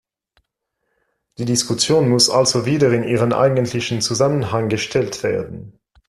Die Diskussion muss also wieder in ihren eigentlichen Zusammenhang gestellt werden.